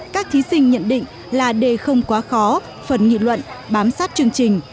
các thí sinh nhận định là đề không quá khó phần nghị luận bám sát chương trình